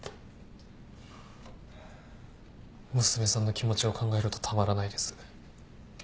娘さんの気持ちを考えるとたまらないです。